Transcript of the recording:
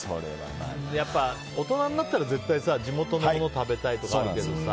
やっぱり、大人になったら絶対地元のものを食べたいとかあるけどさ